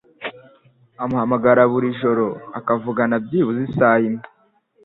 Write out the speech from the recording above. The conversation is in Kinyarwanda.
Amuhamagara buri joro akavugana byibuze isaha imwe.